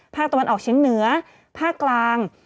ภาคตะวันออกเชียงเหนือภาคกลาง